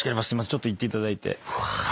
ちょっと行っていただいて。